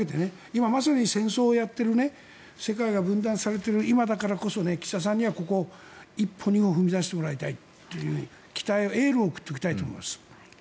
今、まさに戦争をやっている世界が分断されている今だからこそ岸田さんにはここで一歩踏み出してもらいたいという期待、エールを送っておきたいと思います。